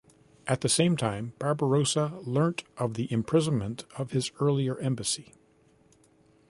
At the same time Barbarossa learnt of the imprisonment of his earlier embassy.